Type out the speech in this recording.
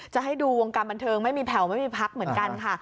จะให้ดูวงการบันเทิงไม่มีแผ่วไม่มีพักเหมือนกันค่ะ